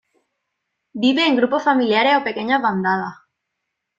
Vive en grupos familiares o pequeñas bandadas.